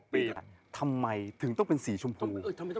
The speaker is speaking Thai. ทำไมถึงต้องเป็นสีชมพู